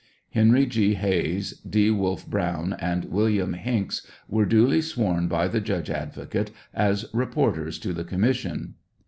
Henry Gr. Hayes, D. Wolfe Brown,, and William Hinks were duly sworn by the judge advocate as reporters to the commission.